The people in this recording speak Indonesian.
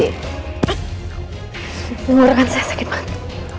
sebenarnya saya sakit banget